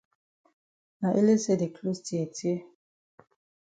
Na ele say the closs tear tear.